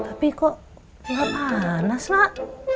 tapi kok enggak panas mak